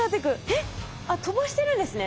えっ。あっ飛ばしてるんですね。